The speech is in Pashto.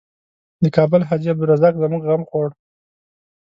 د کابل حاجي عبدالرزاق زموږ غم خوړ.